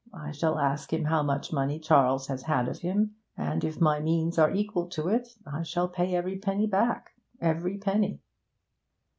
I shall ask him how much money Charles has had of him, and, if my means are equal to it, I shall pay every penny back every penny.'